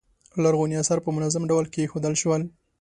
لرغوني اثار په منظم ډول کیښودل شول.